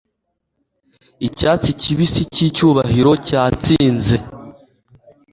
Icyatsi kibisi cyicyubahiro cyatsinze